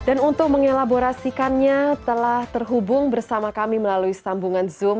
dan untuk mengelaborasikannya telah terhubung bersama kami melalui sambungan zoom